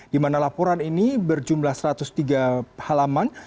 dimana laporan ini berjumlah satu ratus tiga halaman